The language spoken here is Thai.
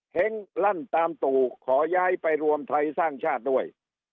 เห้งลั่นตามตู่ขอย้ายไปรวมไทยสร้างชาติด้วย